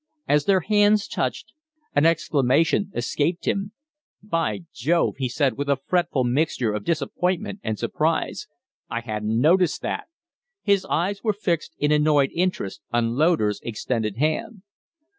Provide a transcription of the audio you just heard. As their hands touched, an exclamation escaped him. "By Jove!" he said, with a fretful mixture of disappointment and surprise. "I hadn't noticed that!" His eyes were fixed in annoyed interest on Loder's extended hand.